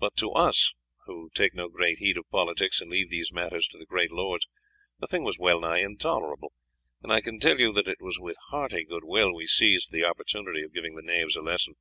But to us, who take no very great heed of politics and leave these matters to the great lords, the thing was well nigh intolerable; and I can tell you that it was with hearty good will we seized the opportunity of giving the knaves a lesson."